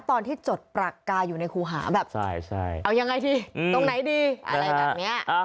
ตอนที่จดปรากกาอยู่ในครูหาแบบเอายังไงที่ตรงไหนดีอะไรแบบเนี่ย